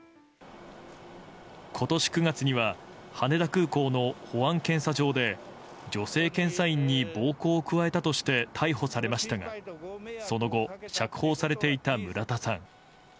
今年９月には羽田空港の保安検査場で女性検査員に暴行を加えたとして逮捕されましたがその後、釈放されていた村田さん。